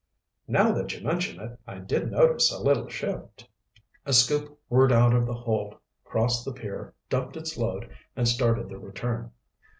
"Now that you mention it, I did notice a little shift." A scoop whirred out of the hold, crossed the pier, dumped its load and started the return.